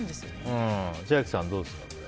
千秋さん、どうですか？